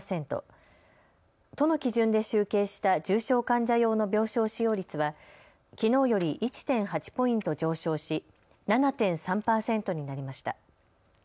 都の基準で集計した重症患者用の病床使用率はきのうより１．８ポイント上昇し７．３％になりました。